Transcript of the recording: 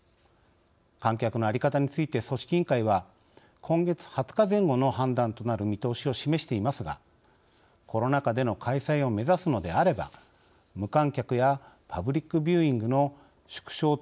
観客のあり方について組織委員会は今月２０日前後の判断となる見通しを示していますがコロナ禍での開催を目指すのであれば、無観客やパブリックビューイングの縮小